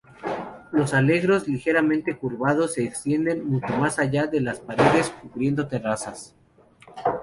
Los aleros ligeramente curvados se extienden mucho más allá de las paredes, cubriendo terrazas.